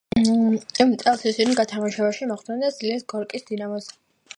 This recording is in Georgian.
იმ წელს ისინი გათამაშებაში მოხვდნენ და სძლიეს გორკის „დინამოს“.